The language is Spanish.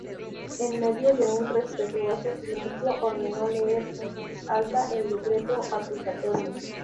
En medio de un respetuoso silencio ordenó leer en voz alta el decreto acusatorio.